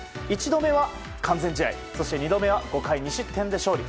１度目は完全試合、２度目は５回２失点で勝利